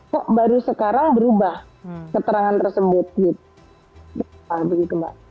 kok baru sekarang berubah keterangan tersebut gitu mbak